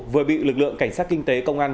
vừa bị lực lượng cảnh sát kinh tế công an